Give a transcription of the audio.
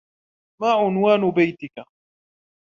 ما عنوان بيتك ؟